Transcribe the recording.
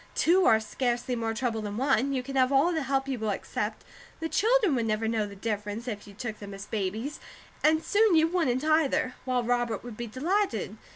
Two are scarcely more trouble than one; you can have all the help you will accept; the children would never know the difference, if you took them as babies, and soon you wouldn't either; while Robert would be delighted.